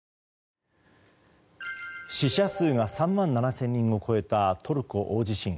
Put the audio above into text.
死者数が３万７０００人を超えたトルコ大地震。